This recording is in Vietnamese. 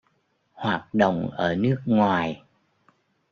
Hoạt động ở nước ngoài